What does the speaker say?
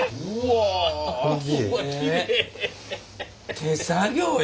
手作業よ